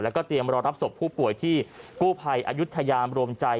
แล้วก็เตรียมรอรับศพผู้ป่วยที่กู้ภัยอายุทยามรวมใจ